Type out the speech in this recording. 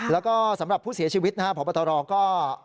แล้วก็สำหรับผู้เสียชีวิตนะครับพบตรก็